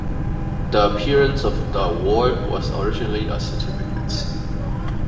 The appearance of the award was originally a certificate.